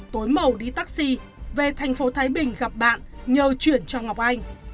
tối màu đi taxi về thành phố thái bình gặp bạn nhờ chuyển cho ngọc anh